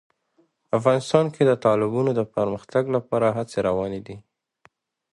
افغانستان کې د تالابونو د پرمختګ لپاره هڅې روانې دي.